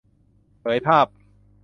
เผยภาพ